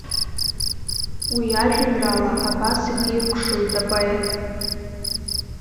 Уи ажәеинраала абас ихиркәшоит апоет.